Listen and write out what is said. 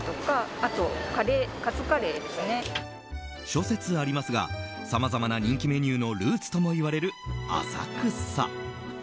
諸説ありますがさまざまな人気メニューのルーツともいわれる浅草。